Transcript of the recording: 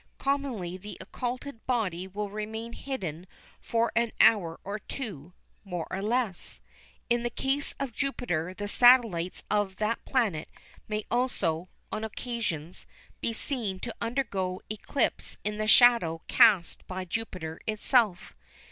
Commonly the occulted body will remain hidden for an hour or two, more or less. In the case of Jupiter the satellites of that planet may also, on occasions, be seen to undergo eclipse in the shadow cast by Jupiter itself.